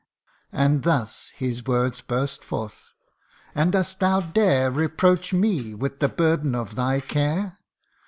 And thus his words burst forth :' And dost thou dare Reproach me with the burden of thy care